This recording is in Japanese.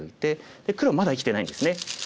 で黒まだ生きてないんですね。